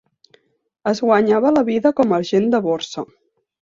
Es guanyava la vida com a agent de borsa.